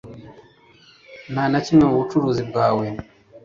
nta na kimwe mu bucuruzi bwawe